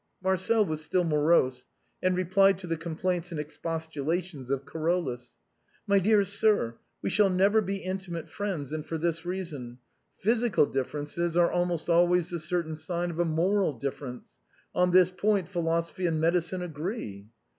Marcel was still morose, and replied to the complaints and expostulations of Carolus :" My dear sir, we shall never be intimate friends, and for this reason : Physical differences are almost always the certain sign of a moral difference ; on this point philosophy and medicine agree."